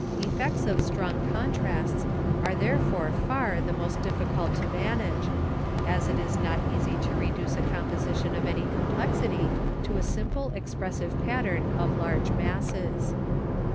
Effects of strong contrasts are therefore far the most difficult to manage, as it is not easy to reduce a composition of any complexity to a simple expressive pattern of large masses.